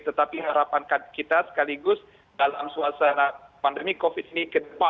tetapi harapan kita sekaligus dalam suasana pandemi covid ini ke depan